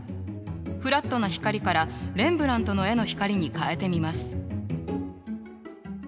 フラットな光からレンブラントの絵の光に変えてみます。